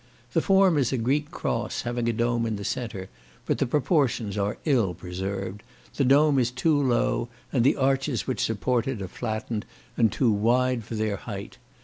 The form is a Greek cross, having a dome in the centre; but the proportions are ill preserved; the dome is too low, and the arches which support it are flattened, and too wide for their height.